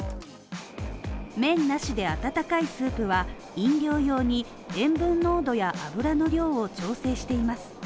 麺なしで温かいスープは、飲料用に塩分濃度や油の量を調整しています。